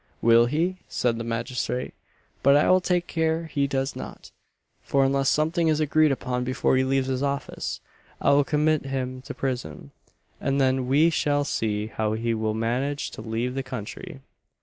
"Will he?" said the magistrate, "but I will take care he does not; for unless something is agreed upon before he leaves this office, I will commit him to prison; and then we shall see how he will manage to leave the country."